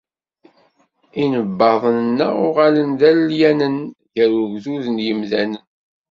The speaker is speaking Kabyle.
Inebbaḍen-nneɣ uɣalen d alyanen gar ugdud n yemdanen.